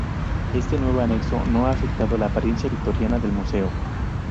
Este nuevo anexo no ha afectado la apariencia victoriana del Museo.